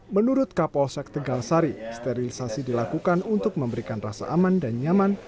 menurut kapolsek tegal sari sterilisasi dilakukan untuk memberikan rasa aman dan nyaman